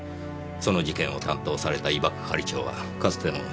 その事件を担当された伊庭係長はかつての上司に当たります。